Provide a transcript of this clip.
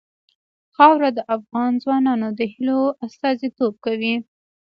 خاوره د افغان ځوانانو د هیلو استازیتوب کوي.